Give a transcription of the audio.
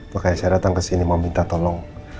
makanya saya datang kesini meminta tolong